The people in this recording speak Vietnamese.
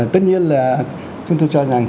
tất nhiên là chúng tôi cho rằng